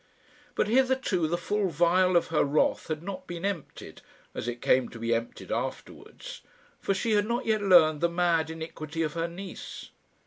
But hitherto the full vial of her wrath had not been emptied, as it came to be emptied afterwards; for she had not yet learned the mad iniquity of her niece.